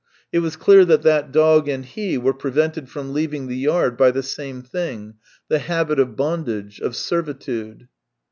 It was clear that that dog and he were prevented from leaving the yard by the same thing; the habit of bondage, of servitude.